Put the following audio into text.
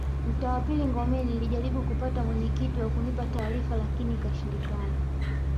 Mtaa wa pili Ngomeni nilijaribu kupata Mwenyeji wa kunipa taarifa lakini ikashindikana